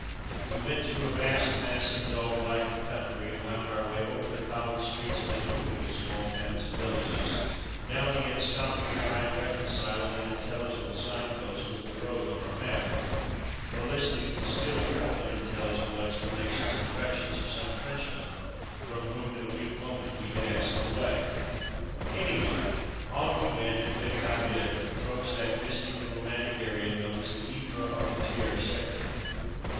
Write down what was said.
We went through a vast mass of dull, blackened country, and wound our way over the cobbled streets of innumerable small towns and villages, now and again stopping to try and reconcile an unintelligible signpost with the road on our map, or listening to the still more unintelligible explanations and directions of some Frenchman, from whom, in a weak moment, we had asked the way. Anyway, on we went, and bit by bit ap proached that mystic and romantic area known as the Ypres Armentieres sector.